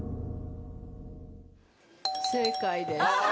正解です